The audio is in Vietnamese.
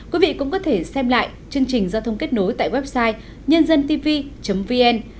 quý vị cũng có thể xem lại chương trình giao thông kết nối tại website nhândântv vn